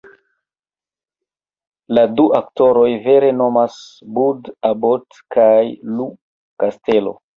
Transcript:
La du aktoroj vere nomas Bud Abbott kaj Lou Castello.